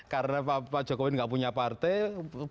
karena pak jokowi gak punya partai